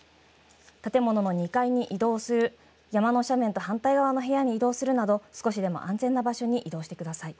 建物の２階に移動する、山の斜面と反対側の部屋に移動するなど少しでも安全な場所に移動してください。